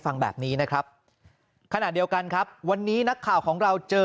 ฟังแบบนี้นะครับขณะเดียวกันครับวันนี้นักข่าวของเราเจอ